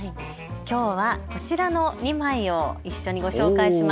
きょうはこちらの２枚を一緒にご紹介します。